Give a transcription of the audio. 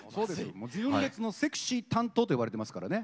純烈のセクシー担当と呼ばれてますからね。